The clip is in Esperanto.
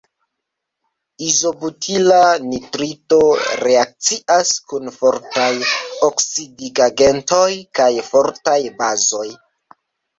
Izobutila nitrito reakcias kun fortaj oksidigagentoj kaj fortaj bazoj.